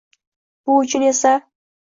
Bu uchun esa